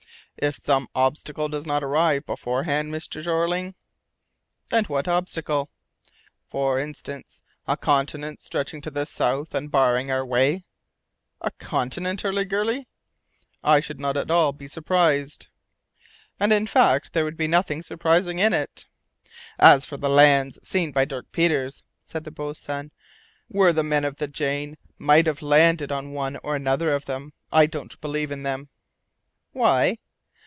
"If some obstacle does not arise beforehand, Mr. Jeorling." "And what obstacle?" "For instance, a continent stretching to the south and barring our way." "A continent, Hurliguerly!" "I should not be at all surprised." "And, in fact, there would be nothing surprising in it." "As for the lands seen by Dirk Peters," said the boatswain, "where the men of the Jane might have landed on one or another of them, I don't believe in them." "Why?"